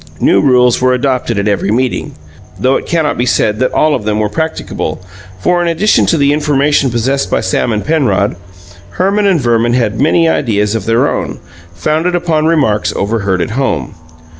New rules were adopted at every meeting (though it cannot be said that all of them were practicable) for, in addition to the information possessed by Sam and Penrod, Herman and Verman had many ideas of their own, founded upon remarks overheard at home.